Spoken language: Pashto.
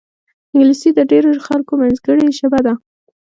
انګلیسي د ډېرو خلکو منځګړې ژبه ده